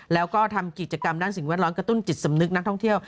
แล้วก็ทำกิจกรรมด้านสิ่งแวดล้อมกระตุ้นจิตสำนึกนักท่องเที่ยว